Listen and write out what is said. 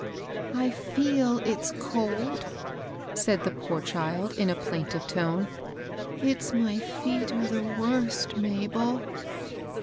'*I feel it's cdd," said the poor child, in a plaintive tone. ^^It's my feet are the worst, Mabel."